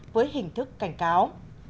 với hình thức cảnh cáo